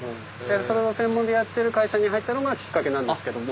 それを専門でやってる会社に入ったのがきっかけなんですけども。